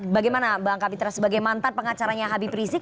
bagaimana bang kapitra sebagai mantan pengacaranya habib rizik